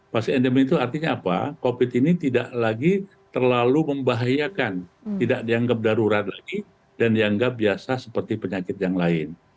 fase endemi itu artinya apa covid ini tidak lagi terlalu membahayakan tidak dianggap darurat lagi dan dianggap biasa seperti penyakit yang lain